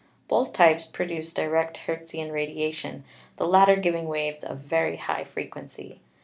Both types produced direct Hertzian radiation, the latter giving waves of very high frequency.